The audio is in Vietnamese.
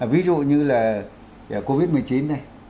ví dụ như là covid một mươi chín này